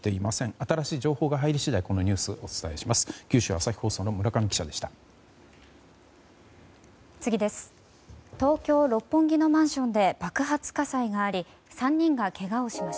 新しい情報が入り次第このニュースをお伝えします。